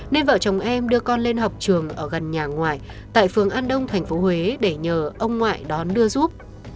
nên vợ chồng em đưa con lên học trường ở gần nhà ngoại tại phường an đông thành phố huế để nhờ ông ngoại đón đưa giúp